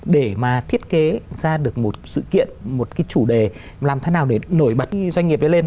để mà thiết kế ra được một sự kiện một cái chủ đề làm thế nào để nổi bật doanh nghiệp ấy lên